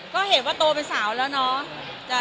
ก็เหตุว่าโตไปสาวแล้วเนอะ